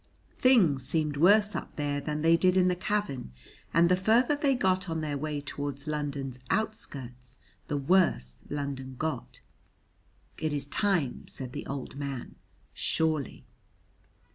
Things seemed worse up there than they did in the cavern, and the further they got on their way towards London's outskirts the worse London got. "It is time," said the old man, "surely."